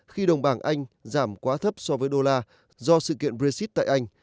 khi đồng bảng anh giảm quá thấp so với đô la do sự kiện brexit tại anh